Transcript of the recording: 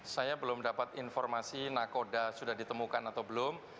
saya belum dapat informasi nakoda sudah ditemukan atau belum